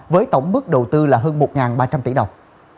với tổng mức đầu tư là hơn một ba trăm linh tỷ đồng